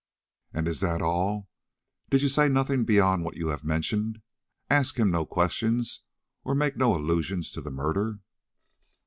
"And is that all? Did you say nothing beyond what you have mentioned? ask him no questions or make no allusions to the murder?"